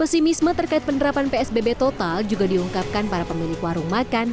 pesimisme terkait penerapan psbb total juga diungkapkan para pemilik warung makan